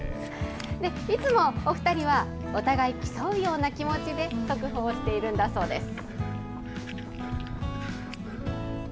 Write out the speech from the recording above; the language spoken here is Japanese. いつもお２人はお互い競うような気持ちで速歩をしているんだそうです。